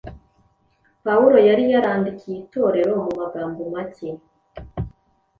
Pawulo yari yarandikiye Itorero mu magambo make,